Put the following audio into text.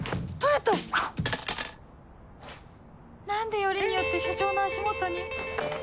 何でよりによって署長の足元に